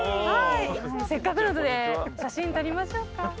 せっかくなので写真撮りましょうか。